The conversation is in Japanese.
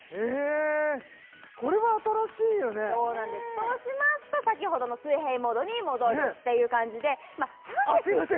そうしますと先ほどの水平モードに戻るっていう感じであっすいません